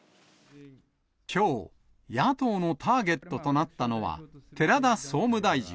きょう、野党のターゲットとなったのは、寺田総務大臣。